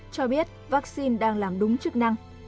cho biết vaccine đang làm đúng chức năng